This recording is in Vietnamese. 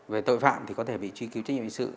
về tội phạm thì có thể bị truy cứu trách nhiệm hình sự